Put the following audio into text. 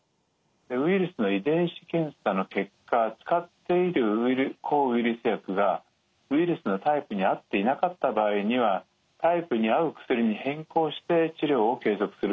ウイルスの遺伝子検査の結果使っている抗ウイルス薬がウイルスのタイプに合っていなかった場合にはタイプに合う薬に変更して治療を継続するんですね。